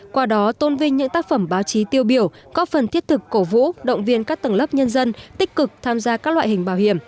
qua đó tôn vinh những tác phẩm báo chí tiêu biểu có phần thiết thực cổ vũ động viên các tầng lớp nhân dân tích cực tham gia các loại hình bảo hiểm